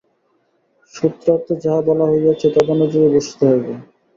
সূত্রার্থে যাহা বলা হইয়াছে, তদনুযায়ী বুঝিতে হইবে।